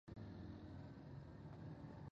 هر ډول مشکوکو کارونو ته باید متوجه او دقیق وي.